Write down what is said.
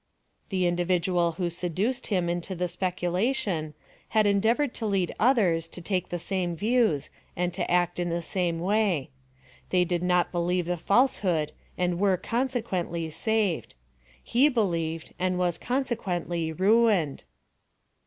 The individual who seduced him into the specula tion, had endeavored to lead others to take the same views and to act in the same way ; they did not be lieve the falsehood and were, consequently, saved ; he believed, and was, consequently, ruined.